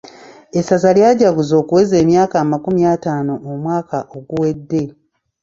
Essaza lyajaguza okuweza emyaka amakumi ataano omwaka oguwedde.